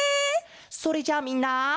それじゃあみんな。